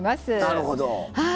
なるほど。